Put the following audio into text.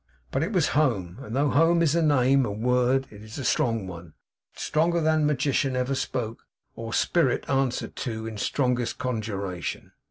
But it was home. And though home is a name, a word, it is a strong one; stronger than magician ever spoke, or spirit answered to, in strongest conjuration.